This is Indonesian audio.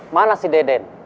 mana si deden